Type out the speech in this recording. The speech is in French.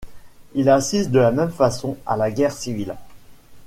Il assiste de la même façon à la guerre civile.